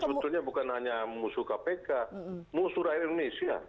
jadi sebetulnya bukan hanya musuh kpk musuh rakyat indonesia